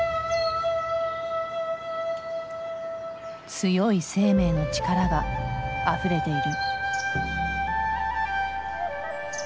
強い生命の力があふれている。